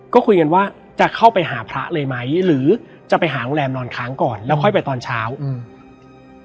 ก็คุยกันว่าจะเข้าไปหาพระเลยไหมหรือจะไปหาโรงแรมนอนค้างก่อนแล้วค่อยไปตอนเช้าอืม